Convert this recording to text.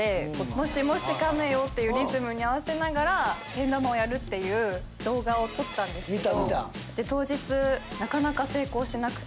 もしもしカメよっていうリズムに合わせながらけん玉をやるっていう動画を撮ったんですけど。